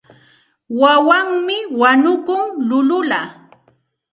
Wawanmi wañukun llullulla.